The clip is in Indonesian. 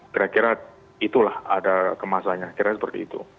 kira kira itulah ada kemasannya kira kira seperti itu